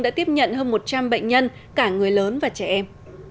đã tiếp nhận hơn một trăm linh bệnh nhân cả người lớn và trẻ em